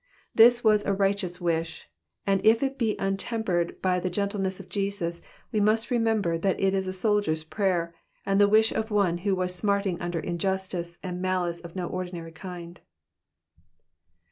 This was a righteous wish, and if it be un tempered by the gentleness of Jesus, we must remember that it is a soldier^s prayer, and the wish of one who was smarting under injustice and malice of no ordinary kind.